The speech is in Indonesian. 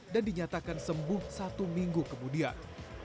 dan dinyatakan sembuh satu minggu kemudian